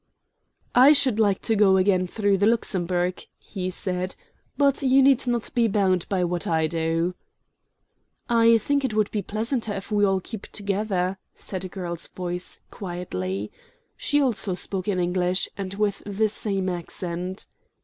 "I should like to go again through the Luxembourg," he said; "but you need not be bound by what I do." "I think it would be pleasanter if we all keep together," said a girl's voice, quietly. She also spoke in English, and with the same accent.